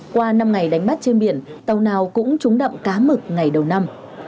qua năm ngày đánh bắt trên biển tàu nào cũng trúng đậm cá mực ngày đầu năm